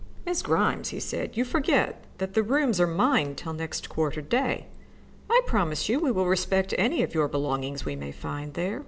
"Miss Grimes," he said, "you forget that the rooms are mine till next quarter day. I promise you we will respect any of your belongings we may find there.